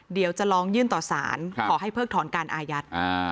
เดี๋ยวจะลองยื่นต่อสารขอให้เพิกถอนการอายัด